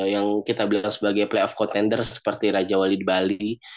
yang kita bilang sebagai playoff contender seperti raja wali di bali